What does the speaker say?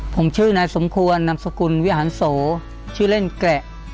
ผมชื่อนายสมควรนำสกุลวิหารโสชื่อเล่นแกะ